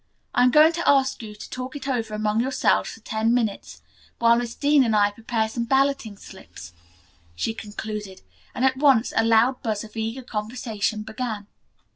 I am going to ask you to talk it over among yourselves for ten minutes, while Miss Dean and I prepare some balloting slips," she concluded, and at once a loud buzz of eager conversation began.